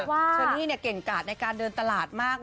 เชอรี่เก่งกาดในการเดินตลาดมาก